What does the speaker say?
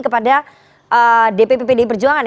kepada dpp pdi perjuangan